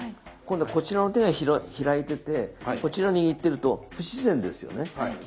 今度はこちらの手が開いててこちら握っていると不自然ですよね。